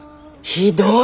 ひどい！